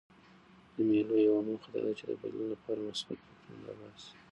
د مېلو یوه موخه دا ده، چي د بدلون له پاره مثبت فکرونه راباسي.